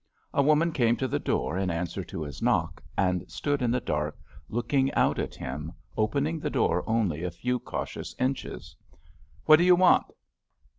A woman came to the door in answer to his knock, and stood in the dark, looking out at him, opening the door only a few cautious inches. "What do you want?"